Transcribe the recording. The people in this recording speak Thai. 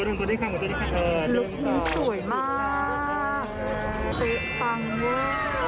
รุ่นตัวด้วยค่ะคุณสุดมากติ๊บต่างเวอร์